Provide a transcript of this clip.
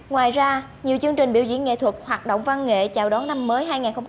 ngoài ra nhiều chương trình biểu diễn nghệ thuật hoạt động văn nghệ chào đón năm mới hai nghìn hai mươi bốn